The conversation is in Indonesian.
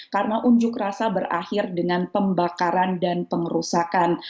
karena unjuk rasa berakhir dengan pembakaran dan pengerusakan